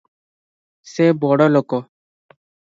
ସେ ବଡ଼ ଲୋକ ।